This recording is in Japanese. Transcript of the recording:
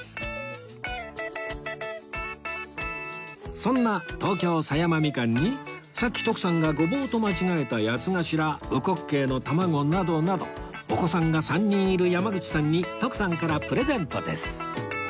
そんな東京狭山みかんにさっき徳さんがごぼうと間違えた八つ頭烏骨鶏の卵などなどお子さんが３人いる山口さんに徳さんからプレゼントです